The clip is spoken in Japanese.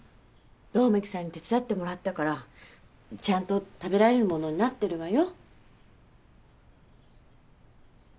百目鬼さんに手伝ってもらったからちゃんと食べられるものになってるわよ。